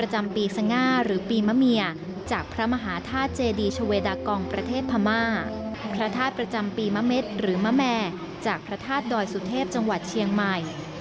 หรือมะแม่จากพระธาตุดอยสุธเทพจังหวัดเชียงใหม่